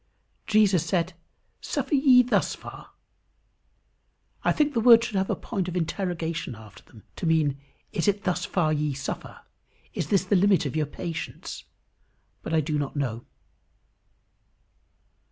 Jesus said, "Suffer ye thus far." I think the words should have a point of interrogation after them, to mean, "Is it thus far ye suffer?" "Is this the limit of your patience?" but I do not know.